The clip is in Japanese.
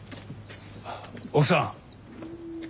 奥さん。